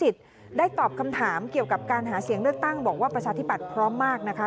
ได้ตอบคำถามเกี่ยวกับการหาเสียงเลือกตั้งบอกว่าประชาธิบัติพร้อมมากนะคะ